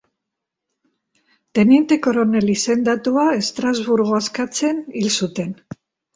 Teniente koronel izendatua, Estrasburgo askatzen hil zuten.